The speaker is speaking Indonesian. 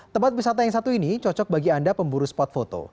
tempat wisata yang satu ini cocok bagi anda pemburu spot foto